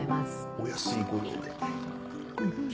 お安いご用で。